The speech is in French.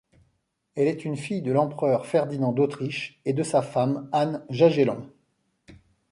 Elle est une fille de l'empereur Ferdinand d'Autriche et de sa femme Anne Jagellon.